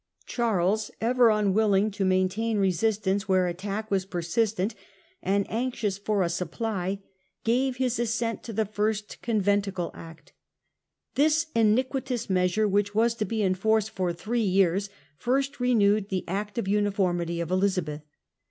Charles, ever unwilling to maintain resistance where attack was persistent, and anxious for a supply, gave his assent to the First Con 1664. England and Catholicism. 125 venticle Act. This iniquitous measure, which was to be in force for three years, first renewed the Act of Uniformity of Elizabeth.